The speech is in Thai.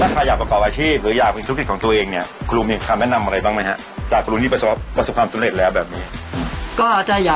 ดีทีเอสโดงเรียนนายเหลือได้เลยจ๊ะ